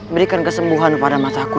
berikan kesembuhan pada mataku